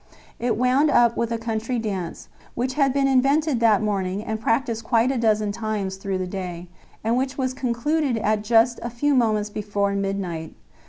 It wound up with a country dance, which had been invented that morning and practised quite a dozen times through the day, and which was concluded at just a few moments before midnight.